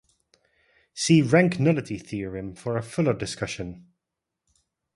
See rank-nullity theorem for a fuller discussion.